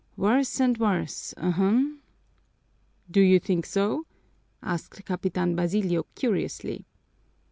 Worse and worse, ahem!" "Do you think so?" asked Capitan Basilio curiously.